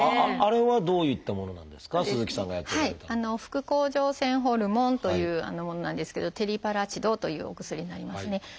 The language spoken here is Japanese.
「副甲状腺ホルモン」というものなんですけど「テリパラチド」というお薬になりますね。